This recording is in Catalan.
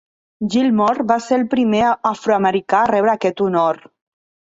Gilmore va ser el primer afroamericà a rebre aquest honor.